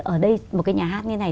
ở đây một cái nhà hát như thế này